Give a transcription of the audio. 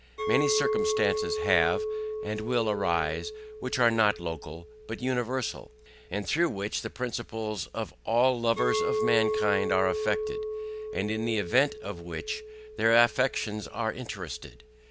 Many circumstances have, and will arise, which are not local, but universal, and through which the principles of all Lovers of Mankind are affected, and in the Event of which, their Affections are interested.